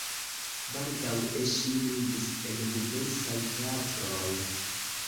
Baldaŭe ŝi ludis en diversaj teatroj.